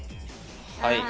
はい。